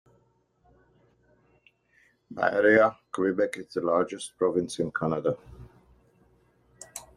By area, Quebec is the largest province of Canada.